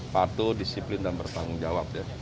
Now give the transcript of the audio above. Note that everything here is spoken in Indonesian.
patuh disiplin dan bertanggung jawab ya